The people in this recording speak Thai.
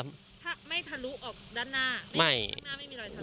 ถ้าไม่ทะลุออกด้านหน้าข้างหน้าไม่มีรอยทะ